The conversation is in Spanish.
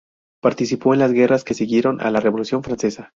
Participó en las guerras que siguieron a la Revolución francesa.